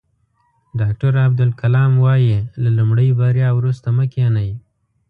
ډاکټر عبدالکلام وایي له لومړۍ بریا وروسته مه کینئ.